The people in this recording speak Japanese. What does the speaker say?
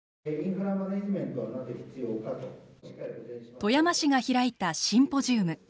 富山市が開いたシンポジウム。